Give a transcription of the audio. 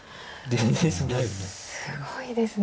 すごいですね。